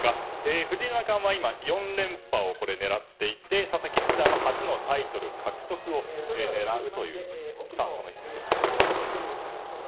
藤井七冠は今４連覇を狙っていて佐々木七段は初のタイトル獲得を狙うという、その一戦ですが。